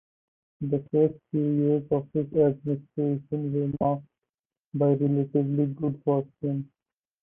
The first few years of his administration were marked by relatively good fortune.